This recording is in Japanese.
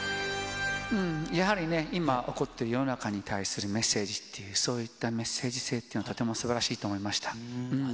やはりね、今、起こっている世の中に対するメッセージっていう、そういったメッセージ性というのはとてもすばらしいと思いました。